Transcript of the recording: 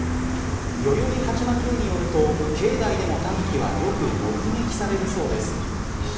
代々木八幡宮によると境内でもタヌキはよく目撃されるそうです。